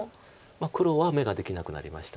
黒は眼ができなくなりました。